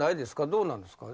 どうなんですか？